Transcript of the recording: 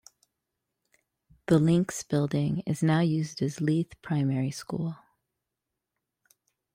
The Links building is now used as Leith Primary School.